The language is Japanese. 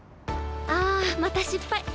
あまた失敗！